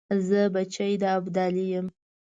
زه بچی د ابدالي یم .